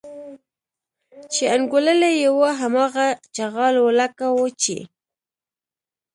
چې انګوللي یې وو هماغه چغال و لکه وو چې.